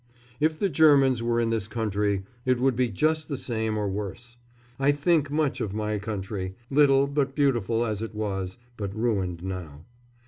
If the Germans were in this country it would be just the same, or worse. I think much of my country, little but beautiful, as it was; but ruined now.